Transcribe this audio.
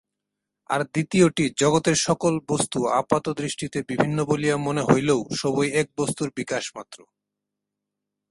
আর দ্বিতীয়টি জগতের সকল বস্তু আপাতদৃষ্টিতে বিভিন্ন বলিয়া মনে হইলেও সবই এক বস্তুর বিকাশমাত্র।